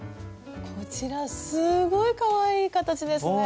こちらすごいかわいい形ですね。